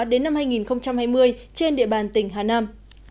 đến năm hai nghìn hai mươi trên địa bàn tỉnh hà nam